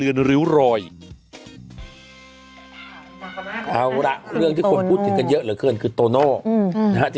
เอาล่ะเรื่องที่คนพูดถึงกันเยอะเหลือเกินคือโตโน่นะฮะ